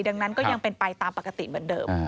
ดังนั้นก็ยังเป็นไปตามปกติเหมือนเดิม